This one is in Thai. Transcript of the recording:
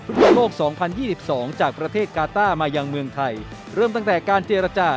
ฟุตบอลโลกสองพันยี่สิบสองจากประเทศกาต้ามายังเมืองไทยเริ่มตั้งแต่การเจรจา